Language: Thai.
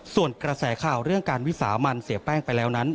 ส่วนกระแสข่าวเรื่องการวิสามันเสียแป้งไปแล้วนั้น